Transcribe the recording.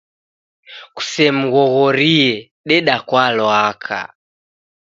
Kusemghoghorie, deda kwa lwaka